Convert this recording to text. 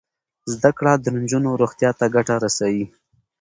زده کړه د نجونو روغتیا ته ګټه رسوي.